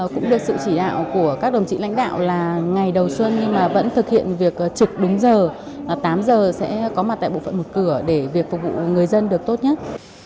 cũng được sự chỉ đạo của các đồng chí lãnh đạo là ngày đầu xuân nhưng mà vẫn thực hiện việc trực đúng giờ tám giờ sẽ có mặt tại bộ phận một cửa để việc phục vụ người dân được tốt nhất